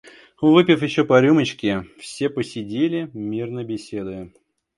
Выпив еще по рюмочке, все посидели, мирно беседуя.